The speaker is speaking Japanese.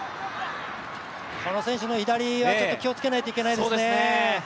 この選手の左は気をつけないといけないですね。